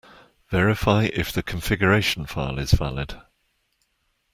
Verify if the configuration file is valid.